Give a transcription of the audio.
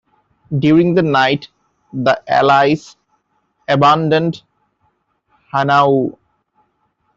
During the night the allies abandoned Hanau.